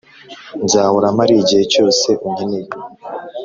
nzahora mpari igihe cyose unkeneye